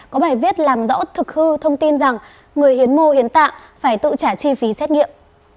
có bài viết làm rõ thực hư thông tin rằng người hiến mô hiến tạ phải tự trả chi phí xét nghiệm